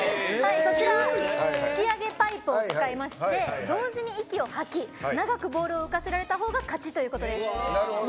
吹き上げパイプを使いまして同時に息を吐き、長くボールを浮かせられたほうが勝ちということです。